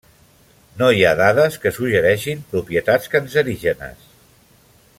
No hi ha dades que suggereixin propietats cancerígenes.